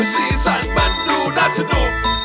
สีสันมันดูน่าสนุก